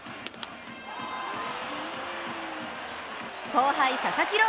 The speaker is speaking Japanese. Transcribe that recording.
後輩・佐々木朗